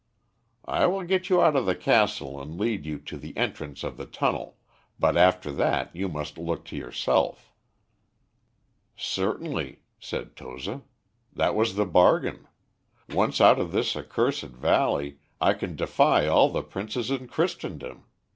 "I will get you out of the castle and lead you to the entrance of the tunnel, but after that you must look to yourself." "Certainly," said Toza, "that was the bargain. Once out of this accursed valley, I can defy all the princes in Christendom.